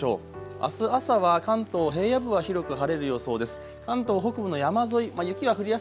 あす朝は関東平野部は広く晴れる予想です。